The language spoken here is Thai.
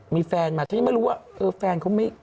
มีแฟนมาฉันยังไม่รู้ว่าเออแฟนเขาไม่